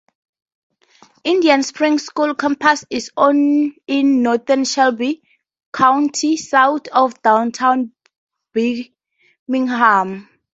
Indian Springs School's campus is on in northern Shelby County, south of downtown Birmingham.